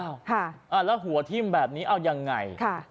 แล้วหัวทิ่มแบบนี้เอายังไง